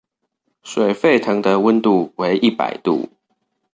水沸騰的溫度為一百度